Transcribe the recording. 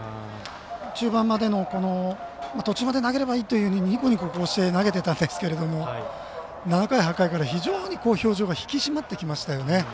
中盤までは、途中まで投げればいいというふうにニコニコして投げていたんですが７回、８回から非常に表情が引き締まってきましたよね。